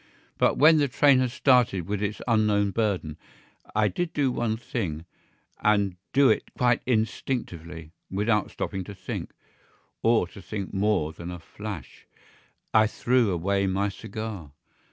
But when the train had started with its unknown burden I did do one thing, and do it quite instinctively, without stopping to think, or to think more than a flash. I threw away my cigar.